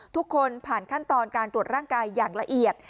ทุกคนผ่านขั้นตอนการตรวจร่างกายอย่างละเอียด